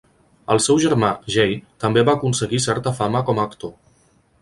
El seu germà Jay també va aconseguir certa fama com a actor.